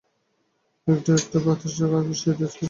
এক-একটা বাতাসের ঝাপটা এসে গা ভিজিয়ে দিচ্ছে, তবু দুজনের কেউ নড়ল না।